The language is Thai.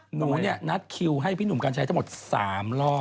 หนูเนี่ยนัดคิวให้พี่หนุ่มกัญชัยทั้งหมด๓รอบ